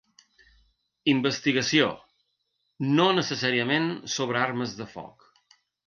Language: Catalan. Investigació, no necessàriament sobre armes de foc.